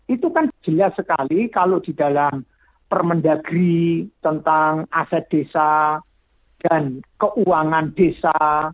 itu kan jelas sekali kalau di dalam permendagri tentang aset desa dan keuangan desa